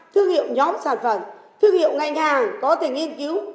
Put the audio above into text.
thương hiệu nhóm sản phẩm thương hiệu ngành hàng có thể nghiên cứu